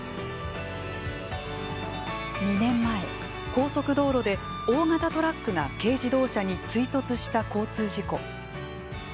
２年前、高速道路で大型トラックが軽自動車に追突した交通事故。